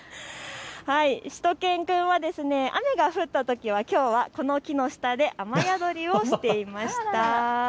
しゅと犬くんは雨が降ったときはきょうはこの木の下で雨宿りをしていました。